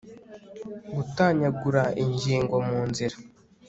gutanyagura ingingo mu nzira